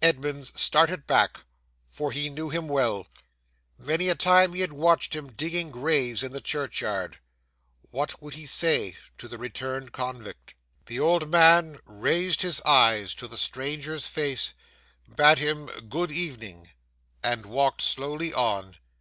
Edmunds started back, for he knew him well; many a time he had watched him digging graves in the churchyard. What would he say to the returned convict? 'The old man raised his eyes to the stranger's face, bade him "good evening," and walked slowly on.